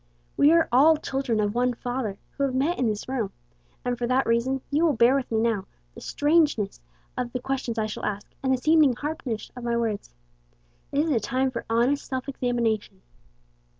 We are all children of one Father who have met in this room, and for that reason you will bear with me now for the strangeness of the questions I shall ask, and the seeming harshness of my words. This is a time for honest self examination.